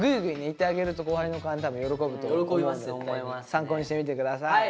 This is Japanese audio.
参考にしてみてください。